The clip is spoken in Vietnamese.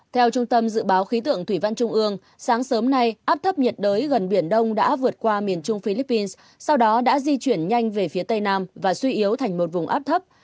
theo trung tâm dự báo khí tượng thủy văn trung ương sáng sớm nay áp thấp nhiệt đới gần biển đông đã vượt qua miền trung philippines sau đó đã di chuyển nhanh về phía tây nam và suy yếu thành một vùng áp thấp